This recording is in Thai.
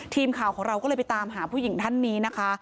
ทีมข่าวของเราก็เลยไปตามหาผู้หญิงท่านนี้นะคะ